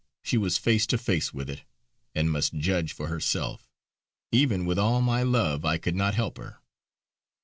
She was face to face with it, and must judge for herself. Even with all my love, I could not help her.